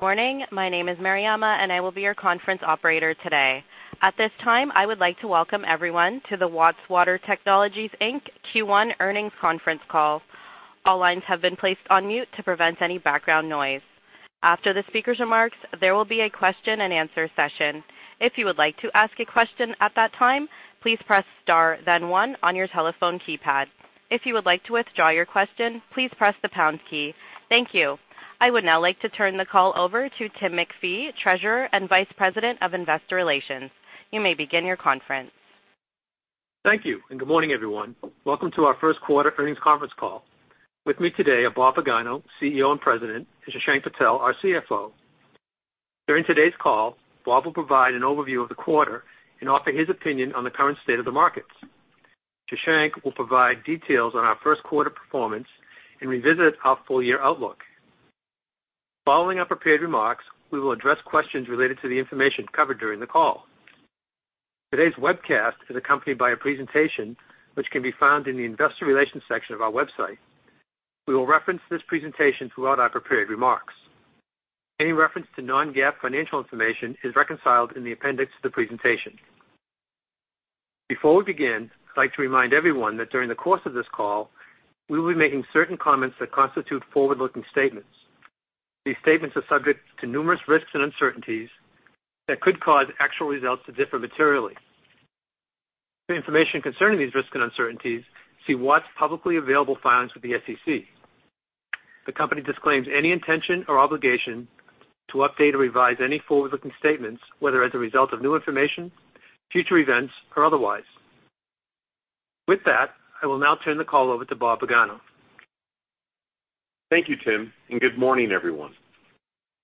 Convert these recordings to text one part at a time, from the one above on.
Good morning. My name is Mariama, and I will be your conference operator today. At this time, I would like to welcome everyone to the Watts Water Technologies, Inc Q1 Earnings Conference Call. All lines have been placed on mute to prevent any background noise. After the speaker's remarks, there will be a question-and-answer session. If you would like to ask a question at that time, please press star then one on your telephone keypad. If you would like to withdraw your question, please press the pound key. Thank you. I would now like to turn the call over to Tim MacPhee, Treasurer and Vice President of Investor Relations. You may begin your conference. Thank you, and good morning, everyone. Welcome to our first quarter earnings conference call. With me today are Bob Pagano, CEO and President, and Shashank Patel, our CFO. During today's call, Bob will provide an overview of the quarter and offer his opinion on the current state of the markets. Shashank will provide details on our first quarter performance and revisit our full year outlook. Following our prepared remarks, we will address questions related to the information covered during the call. Today's webcast is accompanied by a presentation which can be found in the Investor Relations section of our website. We will reference this presentation throughout our prepared remarks. Any reference to non-GAAP financial information is reconciled in the appendix to the presentation. Before we begin, I'd like to remind everyone that during the course of this call, we will be making certain comments that constitute forward-looking statements. These statements are subject to numerous risks and uncertainties that could cause actual results to differ materially. For information concerning these risks and uncertainties, see Watts' publicly available filings with the SEC. The company disclaims any intention or obligation to update or revise any forward-looking statements, whether as a result of new information, future events, or otherwise. With that, I will now turn the call over to Bob Pagano. Thank you, Tim, and good morning, everyone.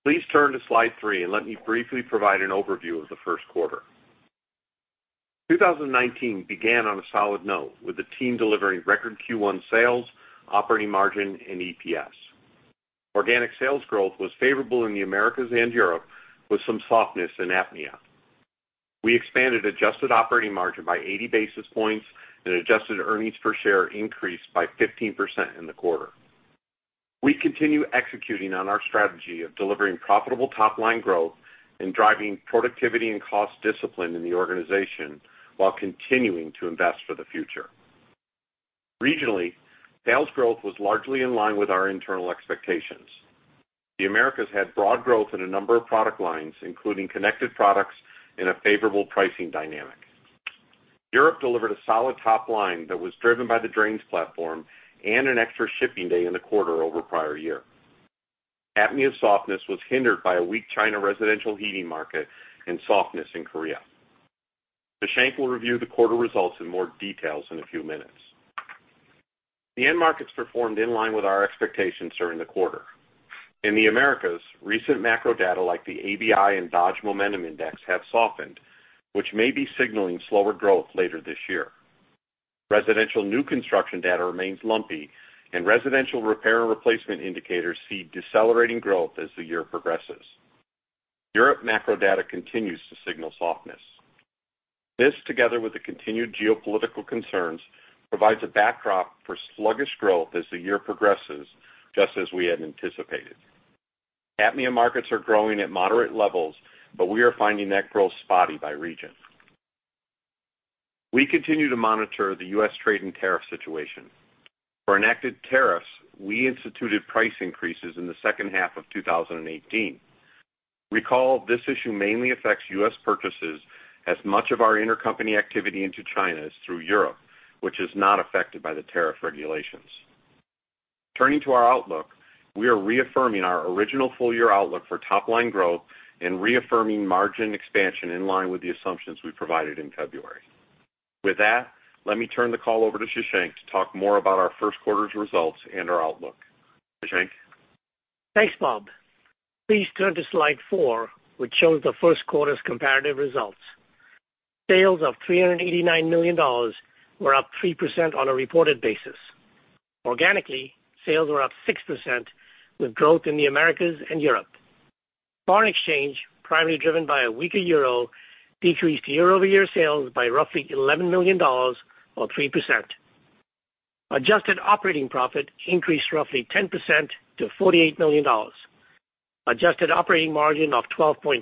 Please turn to slide three and let me briefly provide an overview of the first quarter. 2019 began on a solid note, with the team delivering record Q1 sales, operating margin and EPS. Organic sales growth was favorable in the Americas and Europe, with some softness in APMEA. We expanded adjusted operating margin by 80 basis points, and adjusted earnings per share increased by 15% in the quarter. We continue executing on our strategy of delivering profitable top-line growth and driving productivity and cost discipline in the organization while continuing to invest for the future. Regionally, sales growth was largely in line with our internal expectations. The Americas had broad growth in a number of product lines, including connected products and a favorable pricing dynamic. Europe delivered a solid top line that was driven by the Drains platform and an extra shipping day in the quarter over prior year. APMEA softness was hindered by a weak China residential heating market and softness in Korea. Shashank will review the quarter results in more details in a few minutes. The end markets performed in line with our expectations during the quarter. In the Americas, recent macro data like the ABI and Dodge Momentum Index have softened, which may be signaling slower growth later this year. Residential new construction data remains lumpy, and residential repair and replacement indicators see decelerating growth as the year progresses. Europe macro data continues to signal softness. This, together with the continued geopolitical concerns, provides a backdrop for sluggish growth as the year progresses, just as we had anticipated. APMEA markets are growing at moderate levels, but we are finding that growth spotty by region. We continue to monitor the U.S. trade and tariff situation. For enacted tariffs, we instituted price increases in the second half of 2018. Recall, this issue mainly affects U.S. purchases as much of our intercompany activity into China is through Europe, which is not affected by the tariff regulations. Turning to our outlook, we are reaffirming our original full-year outlook for top-line growth and reaffirming margin expansion in line with the assumptions we provided in February. With that, let me turn the call over to Shashank to talk more about our first quarter's results and our outlook. Shashank? Thanks, Bob. Please turn to slide 4, which shows the first quarter's comparative results. Sales of $389 million were up 3% on a reported basis. Organically, sales were up 6%, with growth in the Americas and Europe. Foreign exchange, primarily driven by a weaker euro, decreased year-over-year sales by roughly $11 million, or 3%. Adjusted operating profit increased roughly 10% to $48 million. Adjusted operating margin of 12.4%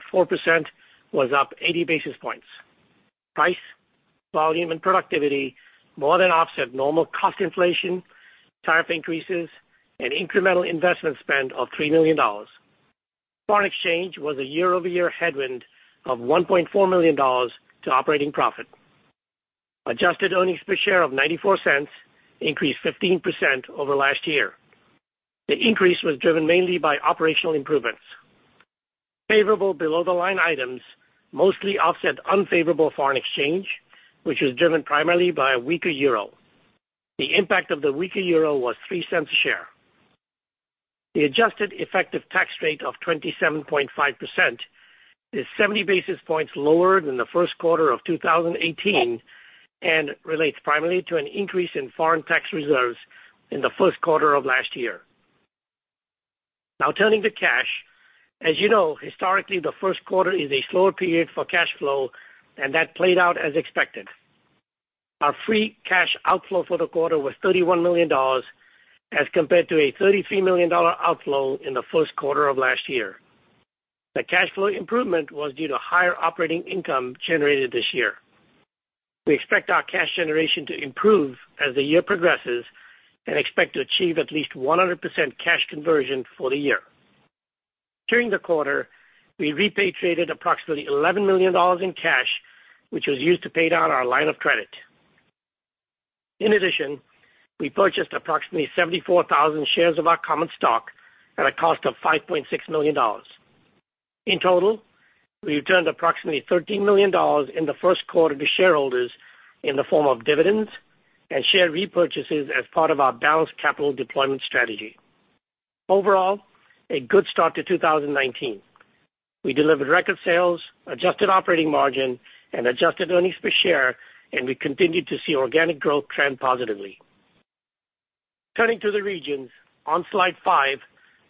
was up 80 basis points. Price, volume, and productivity more than offset normal cost inflation, tariff increases and incremental investment spend of $3 million. Foreign exchange was a year-over-year headwind of $1.4 million to operating profit. Adjusted earnings per share of $0.94 increased 15% over last year. The increase was driven mainly by operational improvements. Favorable below-the-line items mostly offset unfavorable foreign exchange, which was driven primarily by a weaker euro. The impact of the weaker euro was $0.03 a share. The adjusted effective tax rate of 27.5% is 70 basis points lower than the first quarter of 2018, and relates primarily to an increase in foreign tax reserves in the first quarter of last year. Now, turning to cash. As you know, historically, the first quarter is a slower period for cash flow, and that played out as expected.... Our free cash outflow for the quarter was $31 million, as compared to a $33 million outflow in the first quarter of last year. The cash flow improvement was due to higher operating income generated this year. We expect our cash generation to improve as the year progresses and expect to achieve at least 100% cash conversion for the year. During the quarter, we repatriated approximately $11 million in cash, which was used to pay down our line of credit. In addition, we purchased approximately 74,000 shares of our common stock at a cost of $5.6 million. In total, we returned approximately $13 million in the first quarter to shareholders in the form of dividends and share repurchases as part of our balanced capital deployment strategy. Overall, a good start to 2019. We delivered record sales, adjusted operating margin, and adjusted earnings per share, and we continued to see organic growth trend positively. Turning to the regions, on Slide 5,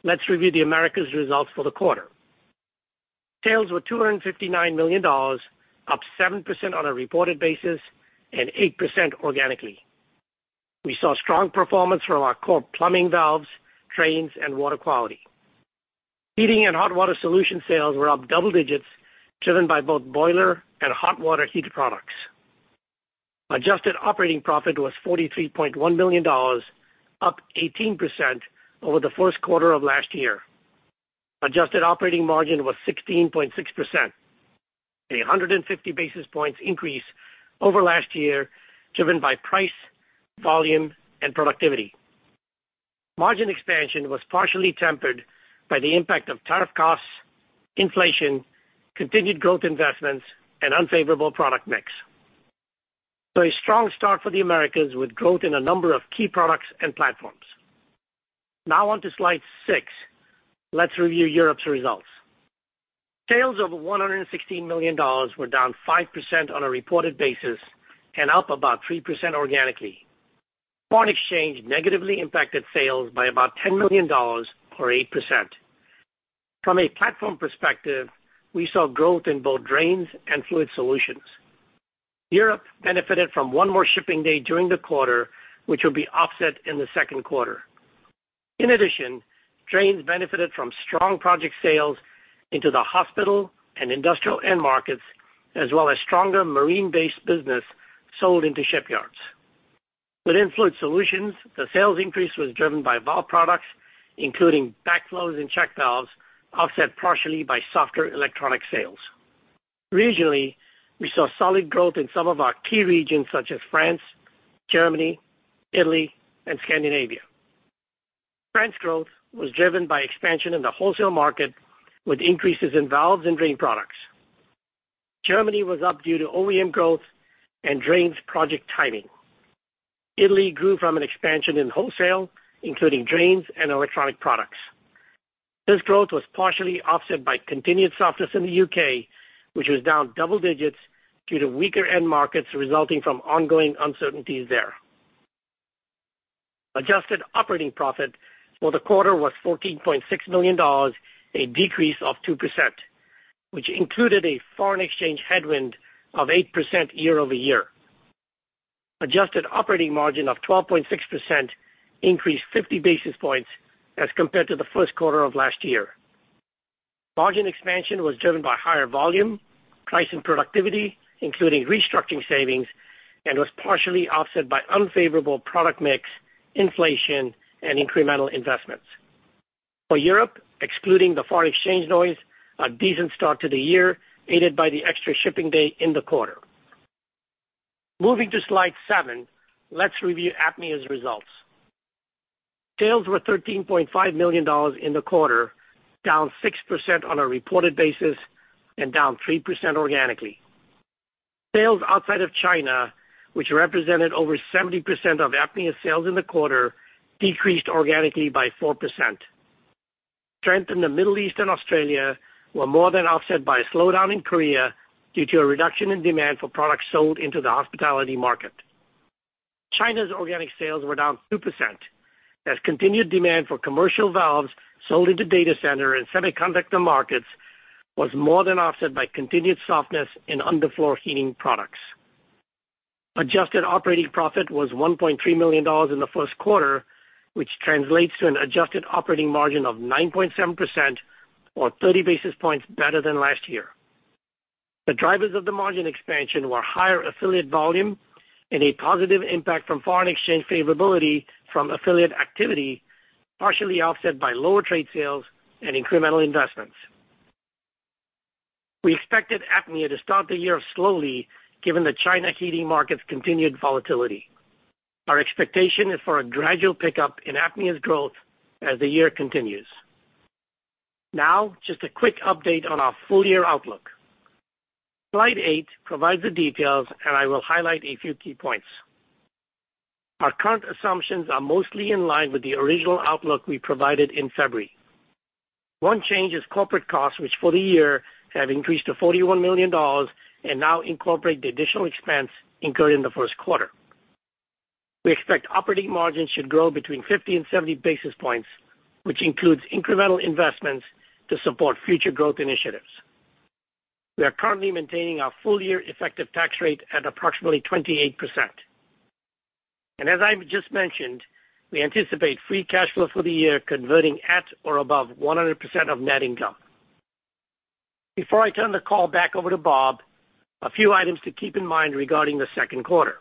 let's review the Americas results for the quarter. Sales were $259 million, up 7% on a reported basis and 8% organically. We saw strong performance from our core plumbing valves, drains, and water quality. Heating and hot water solution sales were up double digits, driven by both boiler and hot water heat products. Adjusted operating profit was $43.1 million, up 18% over the first quarter of last year. Adjusted operating margin was 16.6%, 150 basis points increase over last year, driven by price, volume, and productivity. Margin expansion was partially tempered by the impact of tariff costs, inflation, continued growth investments, and unfavorable product mix. A strong start for the Americas, with growth in a number of key products and platforms. Now on to Slide 6. Let's review Europe's results. Sales of $116 million were down 5% on a reported basis and up about 3% organically. Foreign exchange negatively impacted sales by about $10 million or 8%. From a platform perspective, we saw growth in both Drains and Fluid Solutions. Europe benefited from one more shipping day during the quarter, which will be offset in the second quarter. In addition, Drains benefited from strong project sales into the hospital and industrial end markets, as well as stronger marine-based business sold into shipyards. Within Fluid Solutions, the sales increase was driven by valve products, including backflows and check valves, offset partially by softer electronic sales. Regionally, we saw solid growth in some of our key regions, such as France, Germany, Italy, and Scandinavia. France growth was driven by expansion in the wholesale market, with increases in valves and drain products. Germany was up due to OEM growth and drains project timing. Italy grew from an expansion in wholesale, including drains and electronic products. This growth was partially offset by continued softness in the UK, which was down double digits due to weaker end markets resulting from ongoing uncertainties there. Adjusted operating profit for the quarter was $14.6 million, a decrease of 2%, which included a foreign exchange headwind of 8% year-over-year. Adjusted operating margin of 12.6% increased 50 basis points as compared to the first quarter of last year. Margin expansion was driven by higher volume, price and productivity, including restructuring savings, and was partially offset by unfavorable product mix, inflation, and incremental investments. For Europe, excluding the foreign exchange noise, a decent start to the year, aided by the extra shipping day in the quarter. Moving to Slide 7, let's review APMEA's results. Sales were $13.5 million in the quarter, down 6% on a reported basis and down 3% organically. Sales outside of China, which represented over 70% of APMEA's sales in the quarter, decreased organically by 4%. Strength in the Middle East and Australia were more than offset by a slowdown in Korea due to a reduction in demand for products sold into the hospitality market. China's organic sales were down 2%, as continued demand for commercial valves sold into data center and semiconductor markets was more than offset by continued softness in underfloor heating products. Adjusted operating profit was $1.3 million in the first quarter, which translates to an adjusted operating margin of 9.7% or 30 basis points better than last year. The drivers of the margin expansion were higher affiliate volume and a positive impact from foreign exchange favorability from affiliate activity, partially offset by lower trade sales and incremental investments. We expected APMEA to start the year slowly, given the China heating market's continued volatility. Our expectation is for a gradual pickup in APMEA's growth as the year continues. Now, just a quick update on our full-year outlook. Slide 8 provides the details, and I will highlight a few key points. Our current assumptions are mostly in line with the original outlook we provided in February. One change is corporate costs, which for the year have increased to $41 million and now incorporate the additional expense incurred in the first quarter. We expect operating margins should grow between 50 and 70 basis points, which includes incremental investments to support future growth initiatives. We are currently maintaining our full year effective tax rate at approximately 28%. As I just mentioned, we anticipate free cash flow for the year converting at or above 100% of net income. Before I turn the call back over to Bob, a few items to keep in mind regarding the second quarter.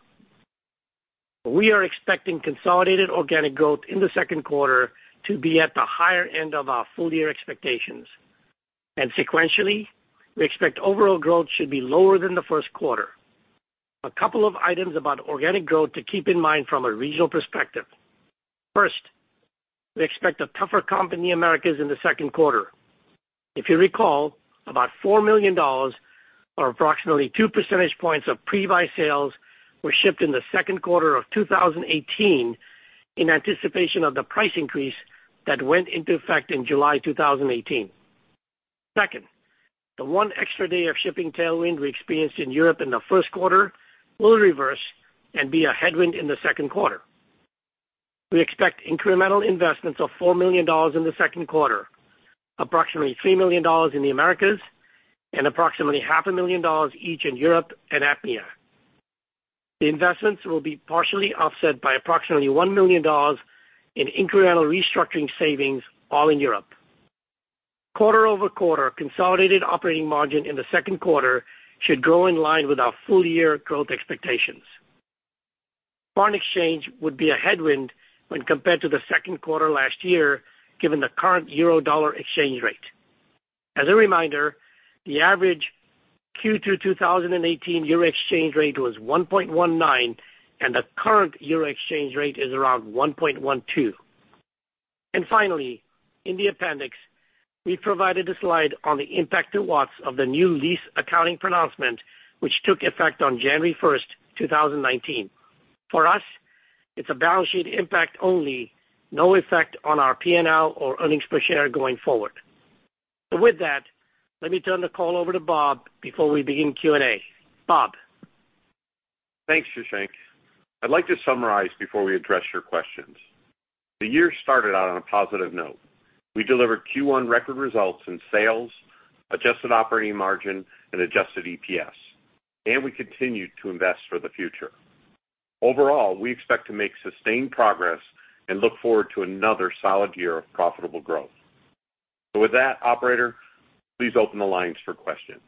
We are expecting consolidated organic growth in the second quarter to be at the higher end of our full year expectations, and sequentially, we expect overall growth should be lower than the first quarter. A couple of items about organic growth to keep in mind from a regional perspective. First, we expect a tougher comp in the Americas in the second quarter. If you recall, about $4 million, or approximately 2 percentage points of pre-buy sales, were shipped in the second quarter of 2018 in anticipation of the price increase that went into effect in July 2018. Second, the one extra day of shipping tailwind we experienced in Europe in the first quarter will reverse and be a headwind in the second quarter. We expect incremental investments of $4 million in the second quarter, approximately $3 million in the Americas, and approximately $500,000 each in Europe and APMEA. The investments will be partially offset by approximately $1 million in incremental restructuring savings, all in Europe. Quarter over quarter, consolidated operating margin in the second quarter should grow in line with our full year growth expectations. Foreign exchange would be a headwind when compared to the second quarter last year, given the current euro-dollar exchange rate. As a reminder, the average Q2 2018 euro exchange rate was 1.19, and the current euro exchange rate is around 1.12. And finally, in the appendix, we provided a slide on the impact to Watts of the new lease accounting pronouncement, which took effect on January 1, 2019. For us, it's a balance sheet impact only, no effect on our P&L or earnings per share going forward. So with that, let me turn the call over to Bob before we begin Q&A. Bob? Thanks, Shashank. I'd like to summarize before we address your questions. The year started out on a positive note. We delivered Q1 record results in sales, adjusted operating margin, and adjusted EPS, and we continued to invest for the future. Overall, we expect to make sustained progress and look forward to another solid year of profitable growth. With that, operator, please open the lines for questions.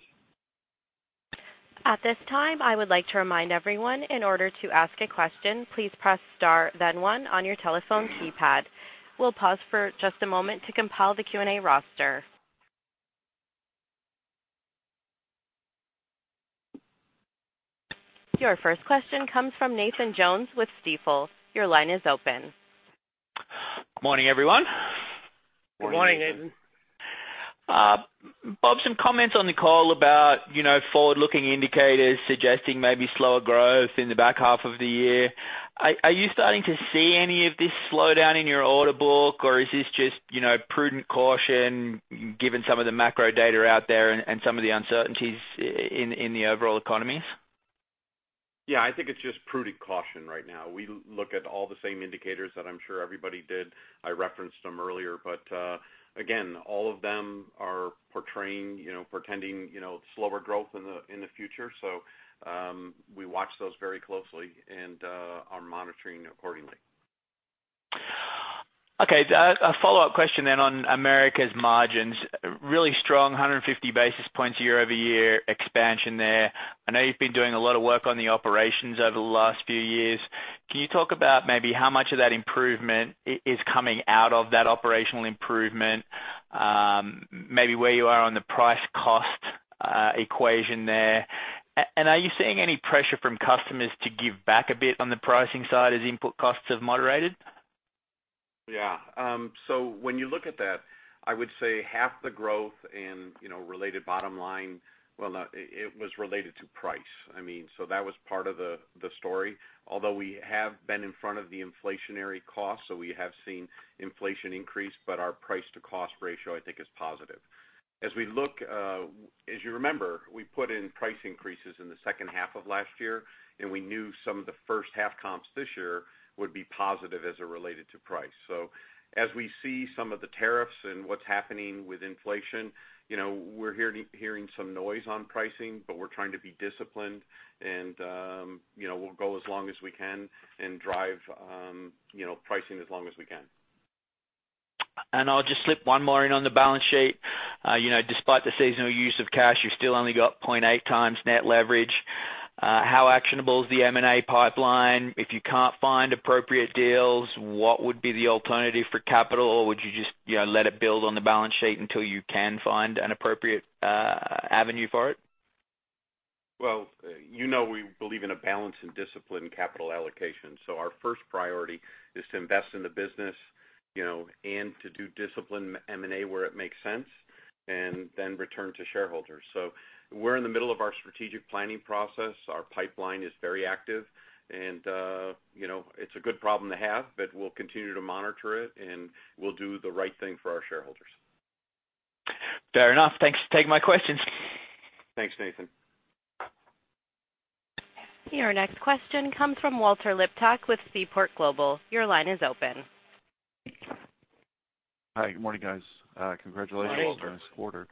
At this time, I would like to remind everyone, in order to ask a question, please press star then one on your telephone keypad. We'll pause for just a moment to compile the Q&A roster. Your first question comes from Nathan Jones with Stifel. Your line is open. Morning, everyone. Good morning, Nathan. Bob, some comments on the call about, you know, forward-looking indicators suggesting maybe slower growth in the back half of the year. Are you starting to see any of this slowdown in your order book, or is this just, you know, prudent caution, given some of the macro data out there and some of the uncertainties in the overall economies? Yeah, I think it's just prudent caution right now. We look at all the same indicators that I'm sure everybody did. I referenced them earlier, but, again, all of them are portraying, you know, portending, you know, slower growth in the, in the future. So, we watch those very closely and, are monitoring accordingly. Okay, a follow-up question then on Americas margins. Really strong, 150 basis points year-over-year expansion there. I know you've been doing a lot of work on the operations over the last few years. Can you talk about maybe how much of that improvement is coming out of that operational improvement, maybe where you are on the price cost equation there? And are you seeing any pressure from customers to give back a bit on the pricing side as input costs have moderated? Yeah. So when you look at that, I would say half the growth in, you know, related bottom line, well, no, it, it was related to price. I mean, so that was part of the, the story, although we have been in front of the inflationary costs, so we have seen inflation increase, but our price to cost ratio, I think, is positive. As we look, as you remember, we put in price increases in the second half of last year, and we knew some of the first half comps this year would be positive as it related to price. So as we see some of the tariffs and what's happening with inflation, you know, we're hearing some noise on pricing, but we're trying to be disciplined and, you know, we'll go as long as we can and drive, you know, pricing as long as we can. I'll just slip one more in on the balance sheet. You know, despite the seasonal use of cash, you've still only got 0.8 times net leverage. How actionable is the M&A pipeline? If you can't find appropriate deals, what would be the alternative for capital, or would you just, you know, let it build on the balance sheet until you can find an appropriate avenue for it? Well, you know, we believe in a balanced and disciplined capital allocation, so our first priority is to invest in the business, you know, and to do disciplined M&A where it makes sense, and then return to shareholders. So we're in the middle of our strategic planning process. Our pipeline is very active, and, you know, it's a good problem to have, but we'll continue to monitor it, and we'll do the right thing for our shareholders.... Fair enough. Thanks for taking my questions. Thanks, Nathan. Your next question comes from Walter Liptak with Seaport Global. Your line is open. Hi, good morning, guys. Congratulations- Morning, Walter. on this quarter.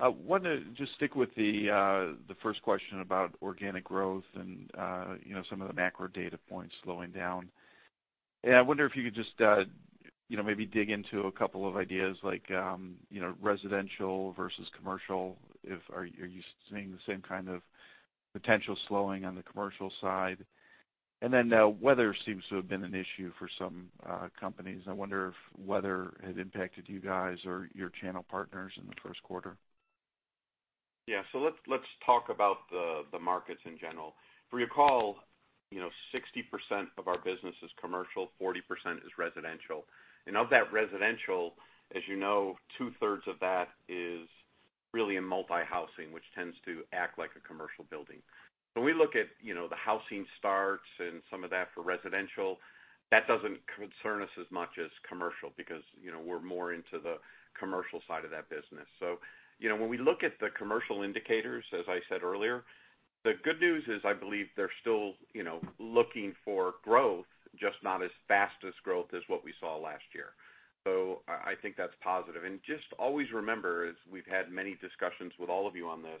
I wanted to just stick with the first question about organic growth and, you know, some of the macro data points slowing down. And I wonder if you could just, you know, maybe dig into a couple of ideas like, you know, residential versus commercial. Are you seeing the same kind of potential slowing on the commercial side? And then, weather seems to have been an issue for some companies. I wonder if weather had impacted you guys or your channel partners in the first quarter? Yeah. So let's talk about the markets in general. If you recall, you know, 60% of our business is commercial, 40% is residential. And of that residential, as you know, two-thirds of that is really in multi-housing, which tends to act like a commercial building. When we look at, you know, the housing starts and some of that for residential, that doesn't concern us as much as commercial because, you know, we're more into the commercial side of that business. So, you know, when we look at the commercial indicators, as I said earlier, the good news is I believe they're still, you know, looking for growth, just not as fast as growth as what we saw last year. So I think that's positive. Just always remember, as we've had many discussions with all of you on this,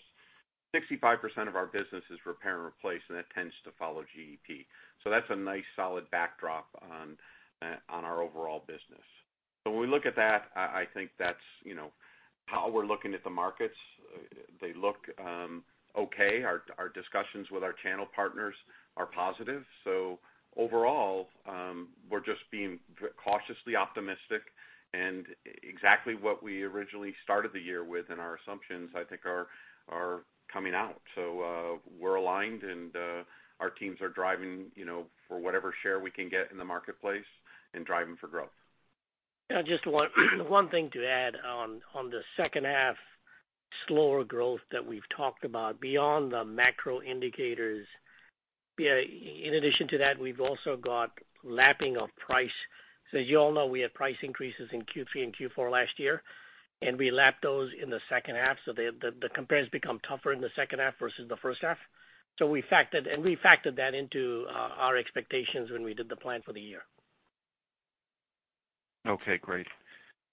65% of our business is repair and replace, and that tends to follow GDP. That's a nice, solid backdrop on our overall business. So when we look at that, I think that's, you know, how we're looking at the markets. They look okay. Our discussions with our channel partners are positive. So overall, we're just being cautiously optimistic and exactly what we originally started the year with, and our assumptions, I think, are coming out. So, we're aligned and our teams are driving, you know, for whatever share we can get in the marketplace and driving for growth. Yeah, just one thing to add on the second half slower growth that we've talked about, beyond the macro indicators, yeah, in addition to that, we've also got lapping of price. So as you all know, we had price increases in Q3 and Q4 last year, and we lapped those in the second half, so the compares become tougher in the second half versus the first half. So we factored that into our expectations when we did the plan for the year. Okay, great.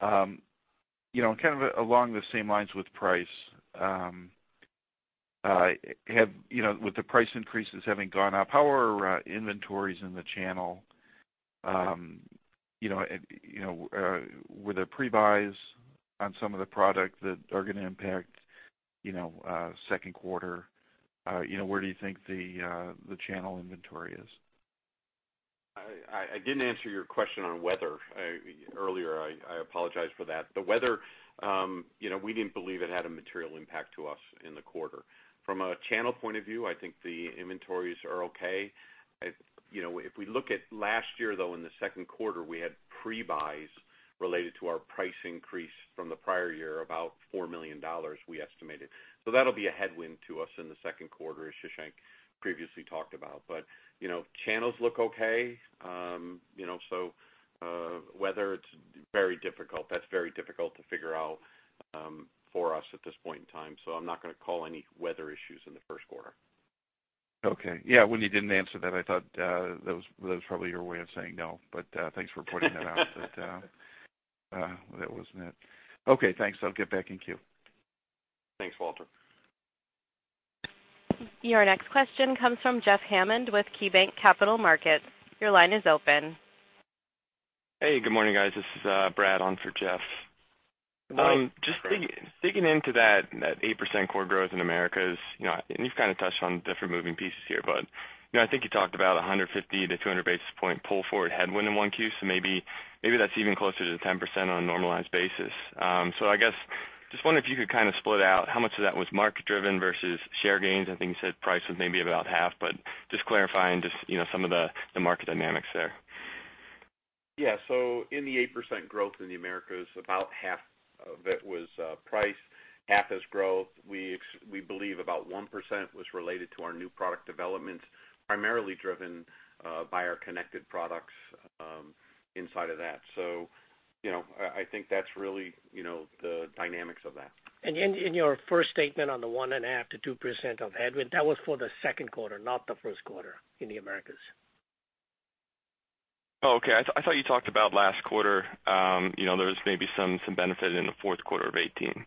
You know, kind of along the same lines with price, have, you know, with the price increases having gone up, how are inventories in the channel? You know, and, you know, were there pre-buys on some of the products that are gonna impact, you know, second quarter? You know, where do you think the, the channel inventory is? I didn't answer your question on weather earlier. I apologize for that. The weather, you know, we didn't believe it had a material impact to us in the quarter. From a channel point of view, I think the inventories are okay. If you know, if we look at last year, though, in the second quarter, we had pre-buys related to our price increase from the prior year, about $4 million we estimated. So that'll be a headwind to us in the second quarter, as Shashank previously talked about. But you know, channels look okay. You know, so weather, it's very difficult. That's very difficult to figure out for us at this point in time, so I'm not gonna call any weather issues in the first quarter. Okay. Yeah, when you didn't answer that, I thought, that was probably your way of saying no, but, that wasn't it. Okay, thanks. I'll get back in queue. Thanks, Walter. Your next question comes from Jeff Hammond with KeyBanc Capital Markets. Your line is open. Hey, good morning, guys. This is, Brad on for Jeff. Morning, Brad. Just digging into that 8% core growth in Americas, you know, and you've kind of touched on different moving pieces here, but, you know, I think you talked about 150-200 basis point pull forward headwind in 1Q, so maybe, maybe that's even closer to the 10% on a normalized basis. So I guess, just wondering if you could kind of split out how much of that was market driven versus share gains? I think you said price was maybe about half, but just clarifying just, you know, some of the market dynamics there. Yeah. So in the 8% growth in the Americas, about half of it was price, half is growth. We believe about 1% was related to our new product developments, primarily driven by our Connected Products inside of that. So, you know, I think that's really, you know, the dynamics of that. In your first statement on the 1.5%-2% headwind, that was for the second quarter, not the first quarter in the Americas. Oh, okay. I thought you talked about last quarter, you know, there was maybe some benefit in the fourth quarter of 2018.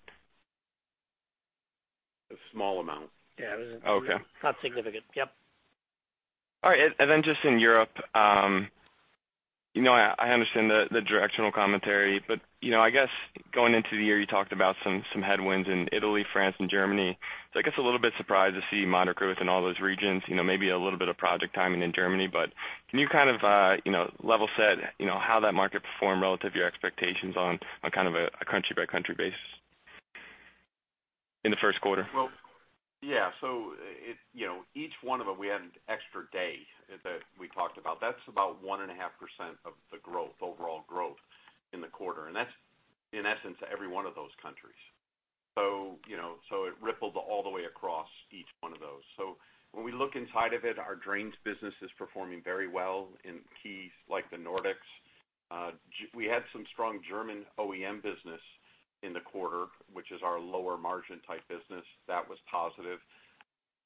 A small amount. Yeah. Okay. Not significant. Yep. All right. And then just in Europe, you know, I understand the directional commentary, but, you know, I guess going into the year, you talked about some headwinds in Italy, France, and Germany. So I guess a little bit surprised to see moderate growth in all those regions, you know, maybe a little bit of project timing in Germany. But can you kind of, you know, level set, you know, how that market performed relative to your expectations on a kind of a country-by-country basis in the first quarter? Well, yeah. So, it -- you know, each one of them, we had an extra day that we talked about. That's about 1.5% of the growth, overall growth in the quarter, and that's in essence, every one of those countries.... you know, so it rippled all the way across each one of those. So when we look inside of it, our drains business is performing very well in keys like the Nordics. We had some strong German OEM business in the quarter, which is our lower margin type business. That was positive.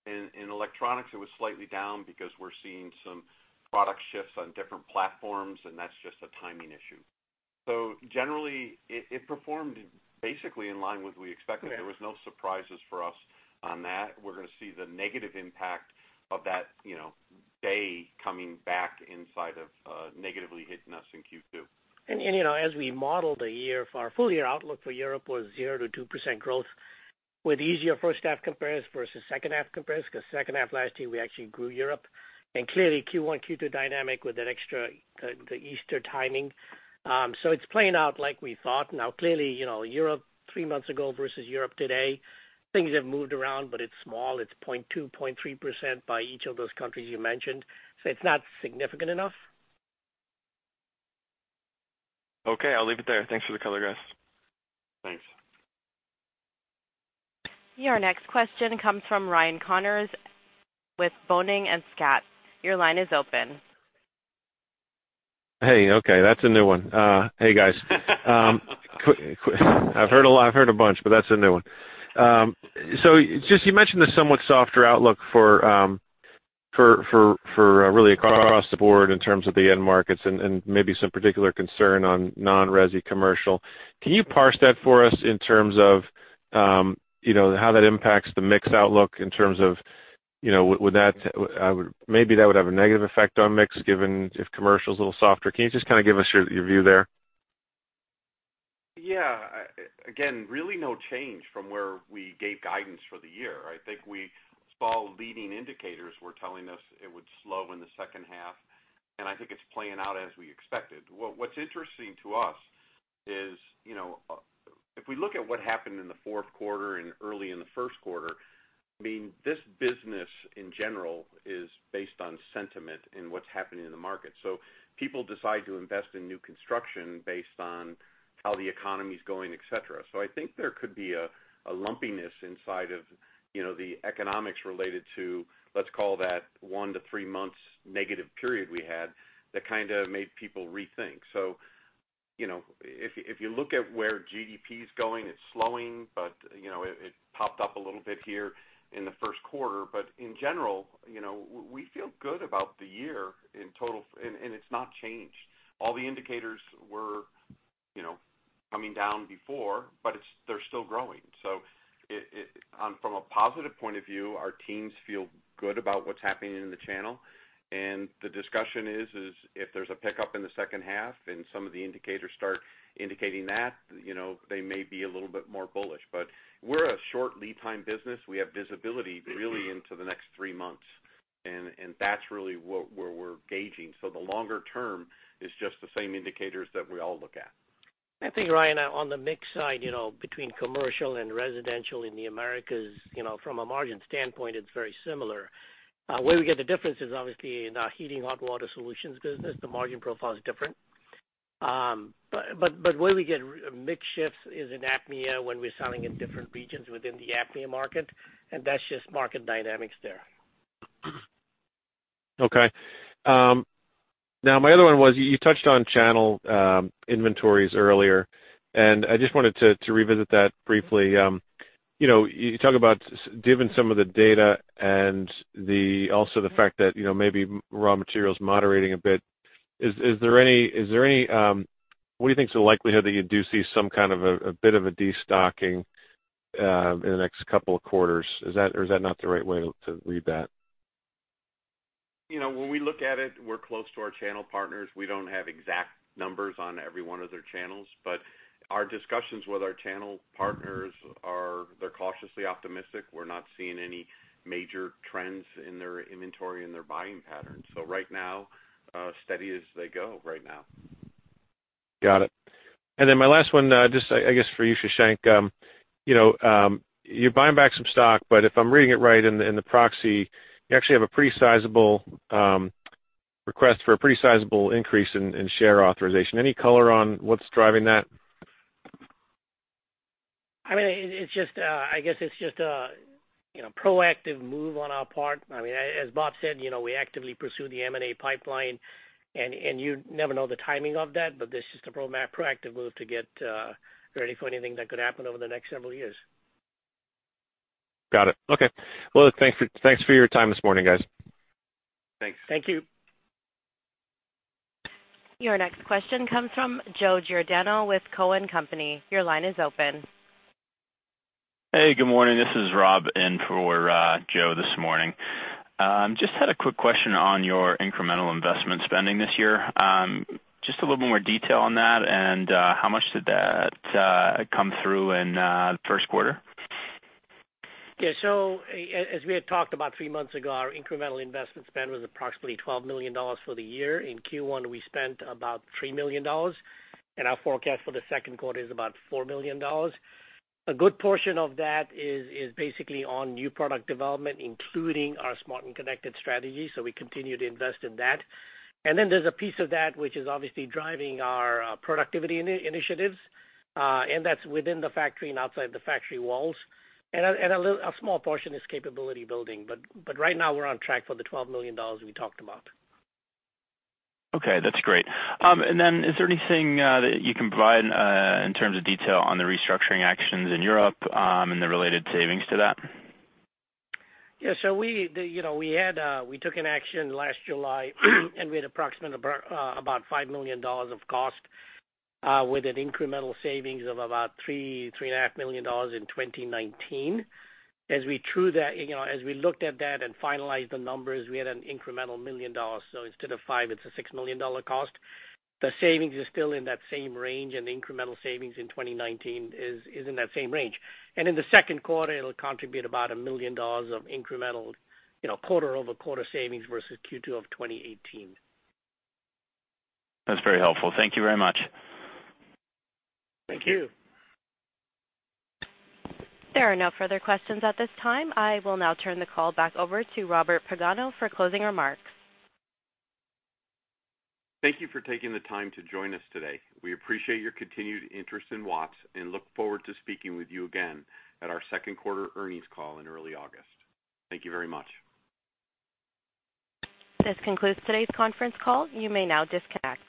In electronics, it was slightly down because we're seeing some product shifts on different platforms, and that's just a timing issue. So generally, it performed basically in line with what we expected. Okay. There was no surprises for us on that. We're gonna see the negative impact of that, you know, day coming back inside of, negatively hitting us in Q2. You know, as we model the year, for our full year outlook for Europe was 0%-2% growth, with easier first half compares versus second half compares, 'cause second half last year, we actually grew Europe. Clearly, Q1, Q2 dynamic with that extra, the Easter timing. So it's playing out like we thought. Now, clearly, you know, Europe three months ago versus Europe today, things have moved around, but it's small. It's 0.2%, 0.3% by each of those countries you mentioned, so it's not significant enough. Okay, I'll leave it there. Thanks for the color, guys. Thanks. Your next question comes from Ryan Connors with Boenning & Scattergood. Your line is open. Hey, okay, that's a new one. Hey, guys. I've heard a lot—I've heard a bunch, but that's a new one. So just you mentioned the somewhat softer outlook for really across the board in terms of the end markets and maybe some particular concern on non-resi commercial. Can you parse that for us in terms of you know how that impacts the mix outlook in terms of you know would that maybe that would have a negative effect on mix given if commercial's a little softer? Can you just kind of give us your view there? Yeah. Again, really no change from where we gave guidance for the year. I think we saw leading indicators were telling us it would slow in the second half, and I think it's playing out as we expected. What's interesting to us is, you know, if we look at what happened in the fourth quarter and early in the first quarter, I mean, this business, in general, is based on sentiment and what's happening in the market. So people decide to invest in new construction based on how the economy's going, et cetera. So I think there could be a lumpiness inside of, you know, the economics related to, let's call that one to three months negative period we had, that kind of made people rethink. So, you know, if you look at where GDP is going, it's slowing, but, you know, it popped up a little bit here in the first quarter. But in general, you know, we feel good about the year in total, and it's not changed. All the indicators were, you know, coming down before, but they're still growing. So from a positive point of view, our teams feel good about what's happening in the channel, and the discussion is if there's a pickup in the second half, and some of the indicators start indicating that, you know, they may be a little bit more bullish. But we're a short lead time business. We have visibility really into the next three months, and that's really what where we're gauging. So the longer term is just the same indicators that we all look at. I think, Ryan, on the mix side, you know, between commercial and residential in the Americas, you know, from a margin standpoint, it's very similar. Where we get the difference is obviously in our heating, hot water solutions business. The margin profile is different. But where we get mix shifts is in APMEA, when we're selling in different regions within the APMEA market, and that's just market dynamics there. Okay. Now, my other one was, you touched on channel inventories earlier, and I just wanted to revisit that briefly. You know, you talk about given some of the data and also the fact that, you know, maybe raw materials moderating a bit, is there any what do you think is the likelihood that you do see some kind of a bit of a destocking in the next couple of quarters? Is that or is that not the right way to read that? You know, when we look at it, we're close to our channel partners. We don't have exact numbers on every one of their channels, but our discussions with our channel partners are, they're cautiously optimistic. We're not seeing any major trends in their inventory and their buying patterns. So right now, steady as they go right now. Got it. And then my last one, just, I guess, for you, Shashank. You know, you're buying back some stock, but if I'm reading it right in the proxy, you actually have a pretty sizable request for a pretty sizable increase in share authorization. Any color on what's driving that? I mean, it's just, I guess it's just a, you know, proactive move on our part. I mean, as Bob said, you know, we actively pursue the M&A pipeline, and you never know the timing of that, but this is just a proactive move to get ready for anything that could happen over the next several years. Got it. Okay. Well, look, thanks for, thanks for your time this morning, guys. Thanks. Thank you. Your next question comes from Joe Giordano with Cowen and Company. Your line is open. Hey, good morning. This is Rob in for Joe this morning. Just had a quick question on your incremental investment spending this year. Just a little bit more detail on that and how much did that come through in the first quarter? Yeah, so as we had talked about three months ago, our incremental investment spend was approximately $12 million for the year. In Q1, we spent about $3 million, and our forecast for the second quarter is about $4 million. A good portion of that is basically on new product development, including our Smart and Connected strategy, so we continue to invest in that. And then there's a piece of that which is obviously driving our productivity initiatives, and that's within the factory and outside the factory walls. And a small portion is capability building, but right now we're on track for the $12 million we talked about. Okay, that's great. And then is there anything that you can provide in terms of detail on the restructuring actions in Europe, and the related savings to that? Yeah, so you know, we took an action last July, and we had approximately about $5 million of cost with an incremental savings of about $3-$3.5 million in 2019. As we true that, you know, as we looked at that and finalized the numbers, we had an incremental $1 million. So instead of $5 million, it's a $6 million cost. The savings is still in that same range, and the incremental savings in 2019 is in that same range. And in the second quarter, it'll contribute about $1 million of incremental, you know, quarter-over-quarter savings versus Q2 of 2018. That's very helpful. Thank you very much. Thank you. Thank you. There are no further questions at this time. I will now turn the call back over to Robert Pagano for closing remarks. Thank you for taking the time to join us today. We appreciate your continued interest in Watts and look forward to speaking with you again at our second quarter earnings call in early August. Thank you very much. This concludes today's conference call. You may now disconnect.